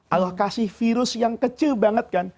allah kasih virus yang kecil banget kan